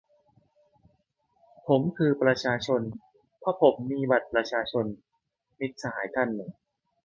"ผมคือประชาชน ! เพราะผมมีบัตรประชาชน !" - มิตรสหายท่านหนึ่ง